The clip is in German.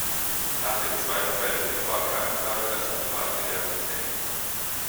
Nach dem Zweiten Weltkrieg war Kannenberg als Privatgelehrter tätig.